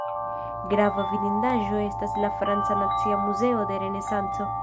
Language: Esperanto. Grava vidindaĵo estas la franca nacia muzeo de renesanco.